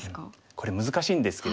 これ難しいんですけれども。